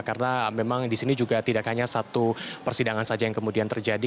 karena memang di sini juga tidak hanya satu persidangan saja yang kemudian terjadi